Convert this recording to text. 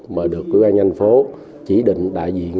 mà được hubar nhanh phố chỉ định đại diện